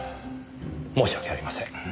申し訳ありません。